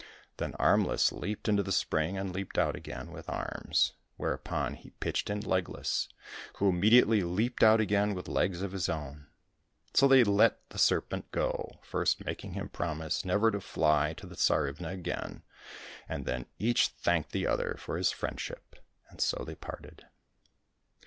Then Armless leaped into the spring and leaped out again with arms, where upon he pitched in Legless, who immediately leaped out again with legs of his own. So they let the serpent go, first making him promise never to fly to the Tsarivna again, and then each thanked the other for his friend ship, and so they parted.